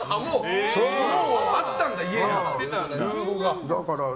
もうあったんだ、家にルー語が。